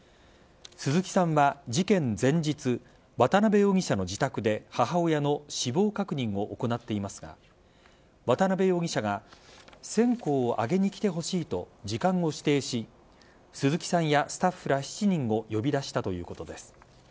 鈴木さんは事件前日渡辺容疑者の自宅で母親の死亡確認を行っていますが渡辺容疑者が線香をあげに来てほしいと時間を指定し鈴木さんやスタッフら７人を呼び出したということです。